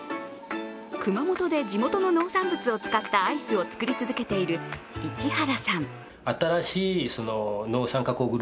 熊本で地元の農産物を使ったアイスを作り続けている市原さん。